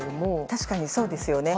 確かにそうですよね。